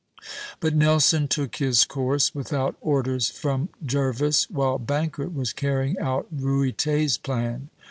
c, c'); but Nelson took his course without orders from Jervis, while Bankert was carrying out Ruyter's plan.